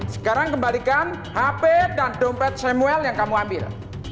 sekarang kembalikan hp dan dompet samuel yang kamu ambil